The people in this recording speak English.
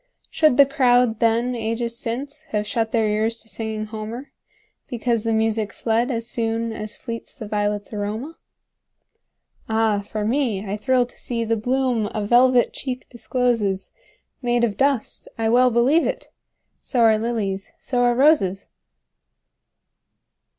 Should the crowd then, ages since, Have shut their ears to singing Homer, Because the music fled as soonAs fleets the violets' aroma? Ah, for me, I thrill to seeThe bloom a velvet cheek discloses, Made of dust—I well believe it! So are lilies, so are roses!